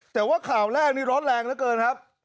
แต่ว่าข่าวแรกนี้ร้อนแรงเหลือเกินครับ